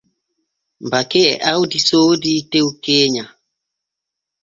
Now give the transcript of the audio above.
Bake e Awdi soodii tew keenya.